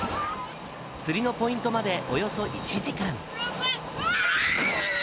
釣りのポイントまでおよそ１時間。